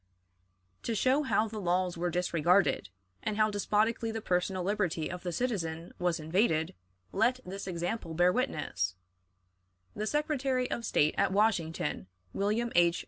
To show how the laws were disregarded, and how despotically the personal liberty of the citizen was invaded, let this example bear witness: The Secretary of State at Washington, William H.